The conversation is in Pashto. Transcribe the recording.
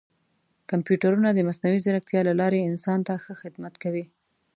کمپیوټرونه د مصنوعي ځیرکتیا له لارې انسان ته ښه خدمت کوي.